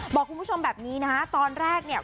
บอกคุณผู้ชมแบบนี้นะตอนแรกเนี่ย